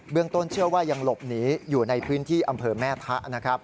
ต้นเชื่อว่ายังหลบหนีอยู่ในพื้นที่อำเภอแม่ทะนะครับ